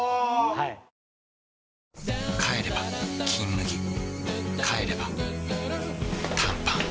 帰れば「金麦」帰れば短パン